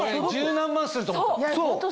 何万すると思った。